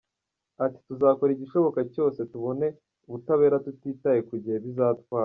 Ati “Tuzakora igishoboka cyose tubone ubutabera tutitaye ku gihe bizatwara.